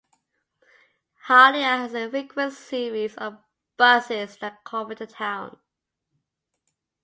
Hailar has a frequent series of buses that cover the town.